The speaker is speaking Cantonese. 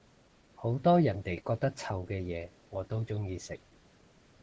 好多人哋覺得臭嘅嘢我都鍾意食